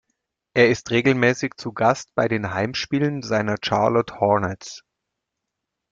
Er ist regelmäßig zu Gast bei den Heimspielen seiner Charlotte Hornets.